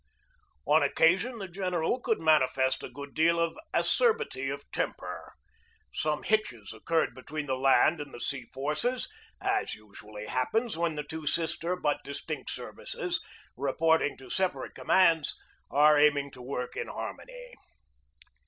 On occasion the general could manifest a good deal of acerbity of temper. Some hitches occurred between the land and the sea forces, as usually hap pens when the two sister but distinct services, re porting to separate commands, are aiming to work in harmony.